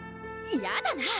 やだなぁ